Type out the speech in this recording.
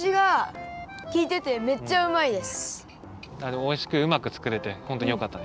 おいしくうまくつくれてほんとによかったね。